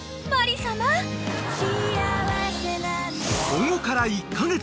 ［保護から１カ月］